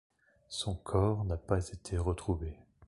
Son corps n'a pas été retrouvé.